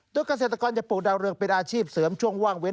โดยเกษตรกรจะปลูกดาวเรืองเป็นอาชีพเสริมช่วงว่างเว้น